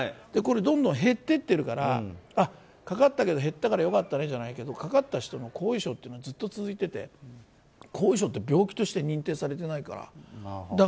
どんどん減っていってるからかかったけど減ったからよかったねじゃなくてかかった人の後遺症っていうのはずっと続いてて後遺症って病気として認定されてないから。